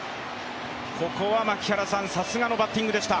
ここはさすがのバッティングでした。